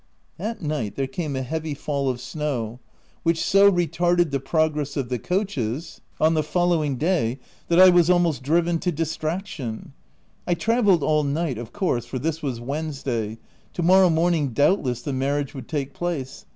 That night there came a heavy fall of snow, 284 THE TENANT which so retarded the progress of the coaches on the following day, that I was almost driven to distraction. I travelled all night of course, for this was Wednesday : to morrow morning, doubtless, the marriage would take place.